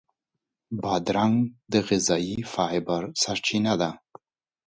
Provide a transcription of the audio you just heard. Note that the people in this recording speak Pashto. بادرنګ د غذایي فایبر سرچینه ده.